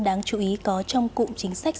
đáng chú ý có trong cụm chính sách